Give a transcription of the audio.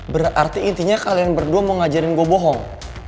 berarti intinya kalian berdua mau ngajarin gue bohong